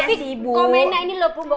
tapi komennya ini loh bu